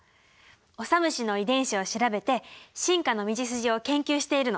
オサムシの遺伝子を調べて進化の道筋を研究しているの。